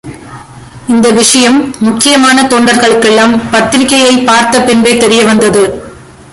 இந்த விஷயம் முக்கியமான தொண்டர்களுக்கெல்லாம் பத்திரிகையைப் பார்த்த பின்பே தெரிய வந்தது.